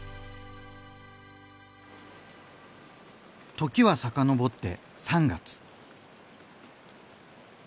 時は遡って３月。